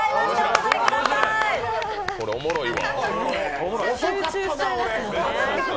これ、おもろいわ。